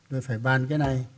tôi phải bàn cái này